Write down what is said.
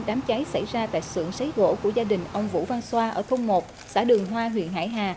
đám cháy xảy ra tại sượng xấy gỗ của gia đình ông vũ văn xoa ở thông một xã đường hoa huyện hải hà